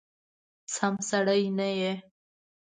سم سړی نه یې !